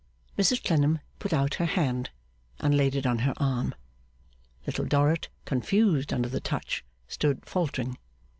Mrs Clennam put out her hand, and laid it on her arm. Little Dorrit, confused under the touch, stood faltering.